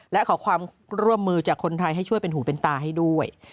และขอความร่วมมือจากคนไทยให้ช่วยเป็นหูเป็นตาให้ด้วย